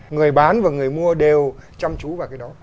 người bán và người mua đều chăm chú vào cái đó